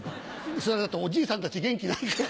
それはだっておじいさんたち元気ないから。